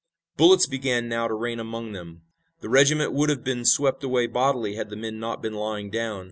Bullets began now to rain among them. The regiment would have been swept away bodily had the men not been lying down.